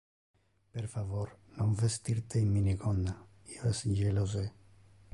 Per favor, non vestir te in minigonna, io es jelose.